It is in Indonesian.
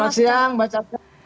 selamat siang mbak syazan